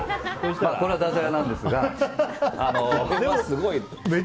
これはダジャレなんですが。